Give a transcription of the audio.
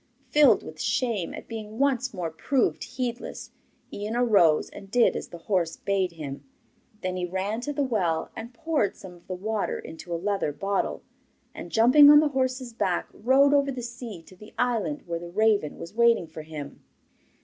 Filled with shame at being once more proved heedless, Ian arose and did as the horse bade him. Then he ran to the well and poured some of the water into a leather bottle, and jumping on the horse's back rode over the sea to the island where the raven was waiting for him.